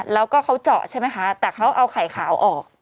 แล้วก็เขาเจาะใช่ไหมคะแต่เขาเอาไข่ขาวออก